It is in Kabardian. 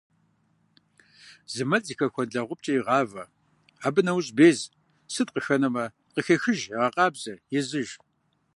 Зы мэл зыхэхуэн лэгъупкӏэ егъавэ, абы нэужь без, сыт къыхэнэмэ, къыхехыж, егъэкъабзэ, езыж.